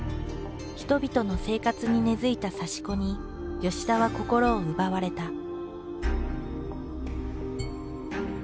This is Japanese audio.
人々の生活に根づいた刺し子に田は心を奪われた。